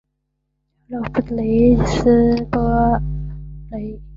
勒夫雷斯恩波雷。